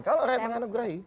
kalau rakyat mengenal gerai